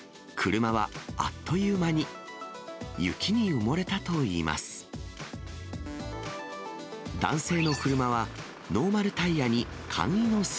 車はあっという間に雪に埋もれたといいます。